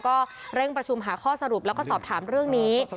ก็เร่งประชุมหาข้อสรุปแล้วก็สอบถามเรื่องนี้